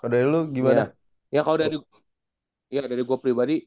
kalau perawira kalau lo dari grup ini itu sih kalau dari gua pribadi kalau perawira kalau lo dari grup ini